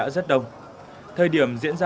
festival biển hai nghìn hai mươi ba